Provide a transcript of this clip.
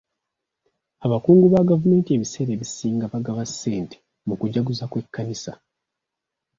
Abakungu ba gavumenti ebiseera ebisinga bagaba ssente mu kujaguza kw'ekkanisa.